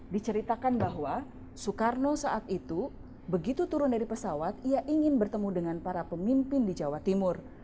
diceritakan bahwa soekarno saat itu begitu turun dari pesawat ia ingin bertemu dengan para pemimpin di jawa timur